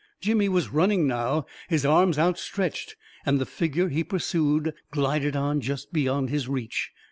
Jimmy was running now, his arms outstretched; and the figure he pursued glided on just beyond his reach.